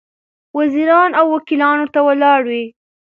وزیران او وکیلان ورته ولاړ وي.